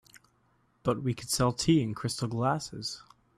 But we could sell tea in crystal glasses.